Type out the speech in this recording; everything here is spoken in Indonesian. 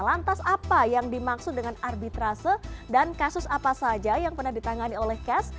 lantas apa yang dimaksud dengan arbitrase dan kasus apa saja yang pernah ditangani oleh kes